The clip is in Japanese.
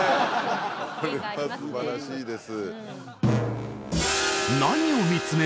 これはすばらしいです